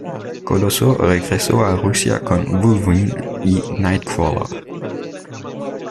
Coloso regresa a Rusia con Wolverine y Nightcrawler.